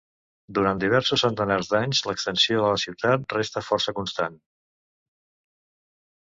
Durant diversos centenars d'anys, l'extensió de la ciutat restà força constant.